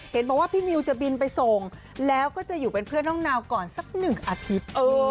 เห็นบอกว่าพี่นิวจะบินไปส่งแล้วก็จะอยู่เป็นเพื่อนน้องนาวก่อนสักหนึ่งอาทิตย์